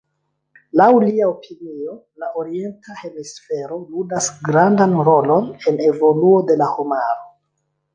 Laŭ lia opinio, la Orienta hemisfero ludas grandan rolon en evoluo de la homaro.